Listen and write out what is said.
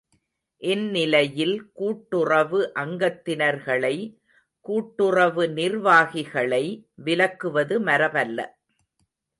இந்நிலையில் கூட்டுறவு அங்கத்தினர்களை கூட்டுறவு நிர்வாகிகளை விலக்குவது மரபல்ல.